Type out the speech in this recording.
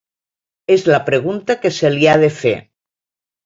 És la pregunta que se li ha de fer.